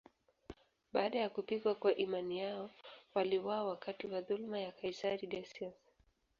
Baada ya kupigwa kwa imani yao, waliuawa wakati wa dhuluma ya kaisari Decius.